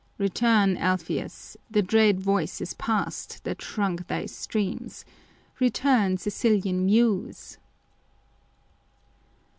l Return, Alpheus, the dread voice is past That shrunk thy streams ; return, Sicilian Muse